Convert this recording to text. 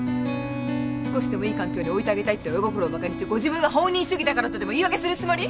少しでもいい環境に置いてあげたいって親心をバカにしてご自分は放任主義だからとでも言い訳するつもり？